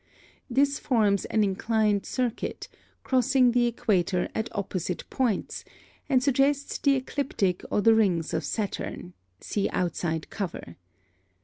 (17) This forms an inclined circuit, crossing the equator at opposite points, and suggests the ecliptic or the rings of Saturn (see outside cover).